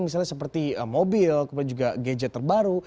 misalnya seperti mobil kemudian juga gadget terbaru